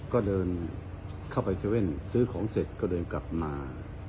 ก็เดินเข้าไป๗๑๑ซื้อของเสร็จก็เดินกลับมา